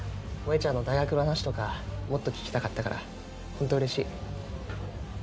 萌ちゃんの大学の話とかもっと聞きたかったからほんとうれしい。